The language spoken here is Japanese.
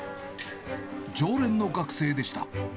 常連の学生でした。